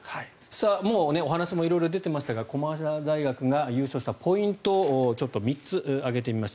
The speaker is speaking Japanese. もうお話も色々出ていましたが駒澤大学が優勝したポイントを３つ挙げてみました。